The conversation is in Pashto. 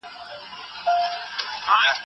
که وخت وي، کښېناستل کوم.